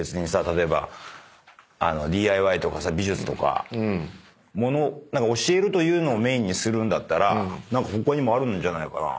例えばＤＩＹとかさ美術とかもの教えるというのをメインにするんだったら他にもあるんじゃないかな？